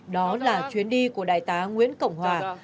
đó là chuyến đi của đại tá nguyễn cộng hòa